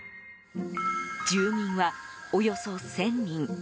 住民は、およそ１０００人。